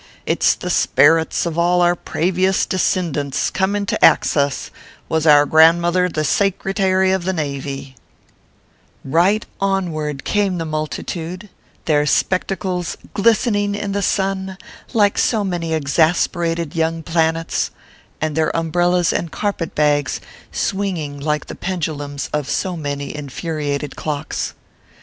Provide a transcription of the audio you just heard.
it s the sperits of all our pravious descindants coming to ax us, was our grandmother the Saycretary of the Navy/ Eight onward came the multitude, their spectacles glistening in the sun like so many exasperated young planets, and their umbrellas and carpet bags swinging like the pendulums of so many infuriated clocks.